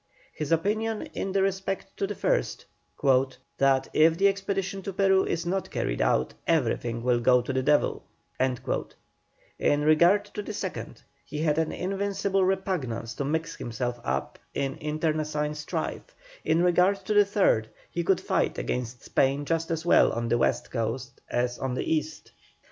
His opinion was in respect to the first, "that if the expedition to Peru is not carried out, everything will go to the devil;" in regard to the second, he had an invincible repugnance to mix himself up in internecine strife; in regard to the third, he could fight against Spain just as well on the West coast as on the East.